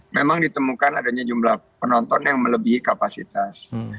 memang ditemukan adanya jumlah penonton yang melebihi kapasitas